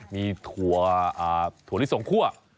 มีถั่วลิสงคั่ว